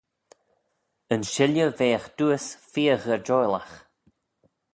Yn shilley veagh dooys feer gherjoilagh.